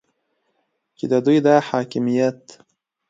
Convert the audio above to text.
چې د دوی دا حاکمیت